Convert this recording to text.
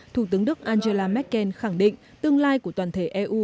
thủ tướng đức angela merkel khẳng định tương lai của toàn thể eu